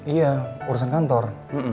iya urusan kantor